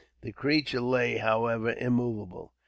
The creature lay, however, immovable.